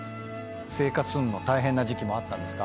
生活するの大変な時期もあったんですか？